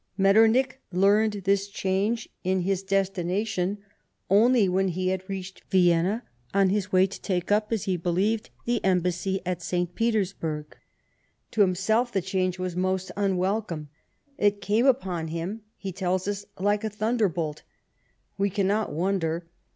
Metternich learned this change in his 16 LIFE OF PBINCE METTEBNICH. destination only when he had reached Vienna on his wajr to take up, as he believed, the embassy at St. Petersburg. To himself the change was most unwelcome. It came upon him, he tells us, " like a thunderbolt." We cannot wonder.